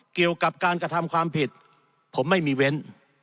เกี่ยวกับการกระทำความผิดผมไม่มีเว้น